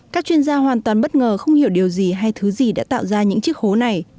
các chuyên gia hoàn toàn bất ngờ không hiểu điều gì hay thứ gì đã tạo ra những chiếc hố này